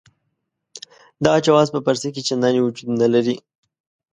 دغه جواز په فارسي کې چنداني وجود نه لري.